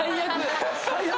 最悪！